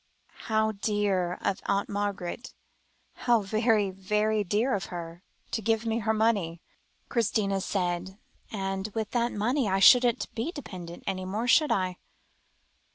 "How dear of Aunt Margaret how very, very dear of her, to give me her money," Christina said; "and with that money I shouldn't be dependent any more, should I?"